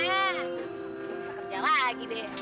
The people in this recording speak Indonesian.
ya bisa kerja lagi deh